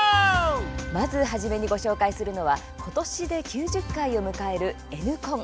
まず初めにご紹介するのは今年で９０回を迎える「Ｎコン」